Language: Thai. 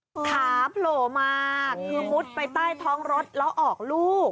ขาโผล่มาคือมุดไปใต้ท้องรถแล้วออกลูก